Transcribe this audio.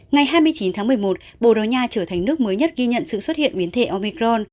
ngày hai mươi chín tháng một mươi một bồ đào nha trở thành nước mới nhất ghi nhận sự xuất hiện biến thể omicron